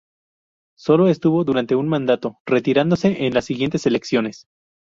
Solo estuvo durante un mandato, retirándose en las siguiente elecciones.